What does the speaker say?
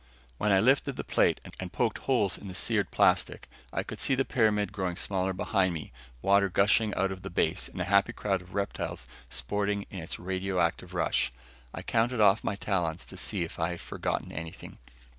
When I lifted the plate and poked holes in the seared plastic, I could see the pyramid growing smaller behind me, water gushing out of the base and a happy crowd of reptiles sporting in its radioactive rush. I counted off on my talons to see if I had forgotten anything.